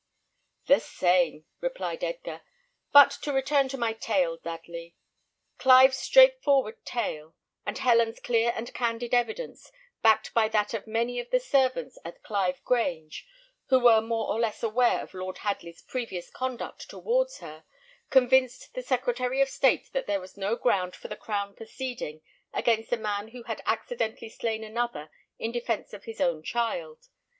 "The same," replied Edgar. "But to return to my tale, Dudley. Clive's straightforward tale, and Helen's clear and candid evidence, backed by that of many of the servants at Clive Grange, who were more or less aware of Lord Hadley's previous conduct towards her, convinced the Secretary of State that there was no ground for the Crown proceeding against a man who had accidentally slain another in defence of his own child.